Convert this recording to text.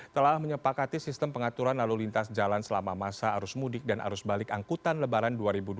telah menyepakati sistem pengaturan lalu lintas jalan selama masa arus mudik dan arus balik angkutan lebaran dua ribu dua puluh